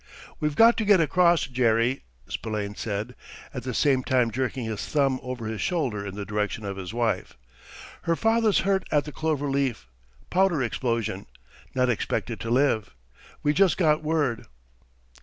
"We've got to get across, Jerry," Spillane said, at the same time jerking his thumb over his shoulder in the direction of his wife. "Her father's hurt at the Clover Leaf. Powder explosion. Not expected to live. We just got word."